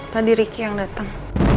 tadi ricky yang datang